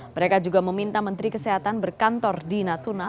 mereka juga meminta menteri kesehatan berkantor di natuna